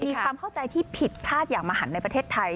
มีความเข้าใจที่ผิดคาดอย่างมหันในประเทศไทย